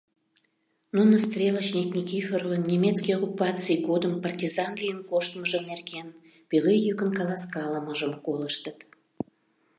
Нуно стрелочник Никифорын немецкий оккупаций годым партизан лийын коштмыжо нерген пеле йӱкын каласкалымыжым колыштыт.